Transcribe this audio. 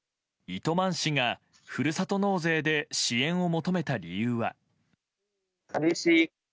糸満市が、ふるさと納税で支援を求めた理由は。